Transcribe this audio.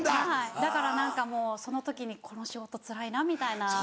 だから何かもうその時にこの仕事つらいなみたいな。